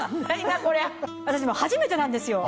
私初めてなんですよ。